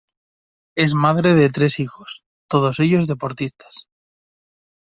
Es madre de tres hijos, todos ellos deportistas.